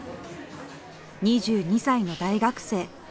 ２２歳の大学生。